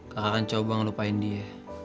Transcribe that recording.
kakak akan coba gak lupain dia